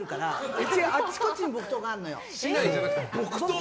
うち、あちこちに木刀があるのよ。